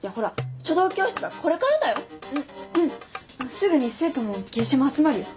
すぐに生徒も月謝も集まるよ。